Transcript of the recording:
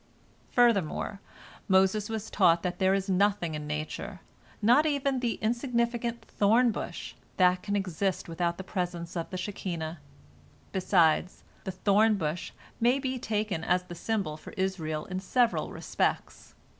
Furthermore, Moses was taught that there is nothing in nature, not even the insignificant thorn bush, that can exist without the presence of the Shekinah. Besides, the thorn bush may be taken as the symbol for Israel in several respects.